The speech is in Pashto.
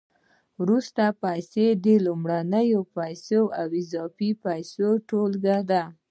وروستۍ پیسې د لومړنیو پیسو او اضافي پیسو ټولګه ده